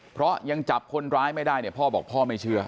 เพราะยังจับคนร้ายไม่ได้เนี่ยพ่อบอกพ่อไม่เชื่อ